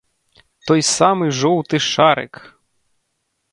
Той самы жоўты шарык!